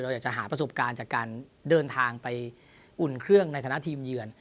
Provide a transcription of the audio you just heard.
อยากจะหาประสบการณ์จากการเดินทางไปอุ่นเครื่องในฐานะทีมเยือน